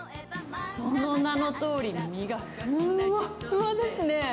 その名のとおり、身がふわふわですね。